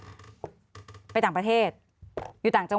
หลายครั้งหลายครั้งหลายครั้ง